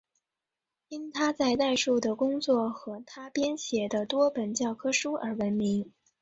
因他在代数的工作和他编写的多本教科书而闻名。